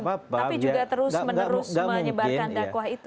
tapi juga terus menerus menyebarkan dakwah itu